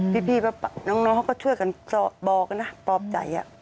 พี่น้องเขาก็ช่วยกันบอกนะปลอบใจ